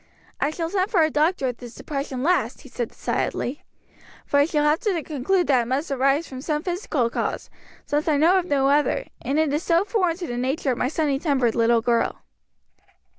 "I shall send for a doctor if this depression lasts," he said decidedly, "for I shall have to conclude that it must arise from some physical cause, since I know of no other; and it is so foreign to the nature of my sunny tempered little girl."